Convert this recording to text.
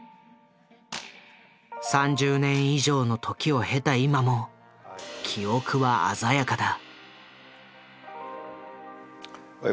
３０年以上の時を経た今も記憶は鮮やかだ。